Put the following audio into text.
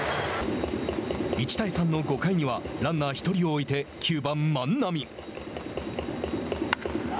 １対３の５回にはランナー１人を置いて９番万波。